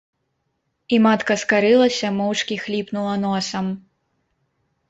І матка скарылася, моўчкі хліпнула носам.